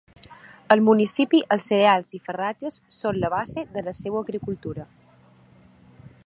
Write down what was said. Al municipi els cereals i farratges són la base de la seua agricultura.